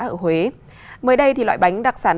ở huế mới đây thì loại bánh đặc sản